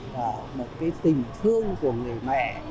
và một cái tình thương của người mẹ